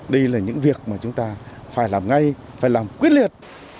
đây là những việc mà chúng ta phải làm ngay phải làm quyết liệt